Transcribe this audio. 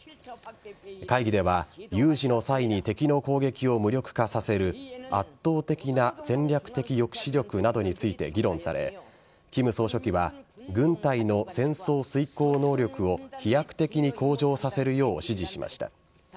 会議では有事の際に敵の攻撃を無力化させる圧倒的な戦略的抑止力などについて議論され金総書記は軍隊の戦争遂行能力を飛躍的に向上させるよう指示しました。